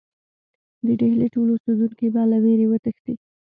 د ډهلي ټول اوسېدونکي به له وېرې وتښتي.